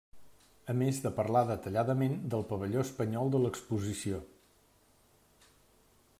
A més de parlar detalladament del pavelló espanyol de l'Exposició.